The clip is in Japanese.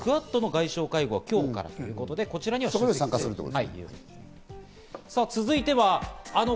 日本はクアッドの外相は今日からということで、そちらは参加するということです。